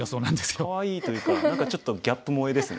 かわいいというか何かちょっとギャップ萌えですね。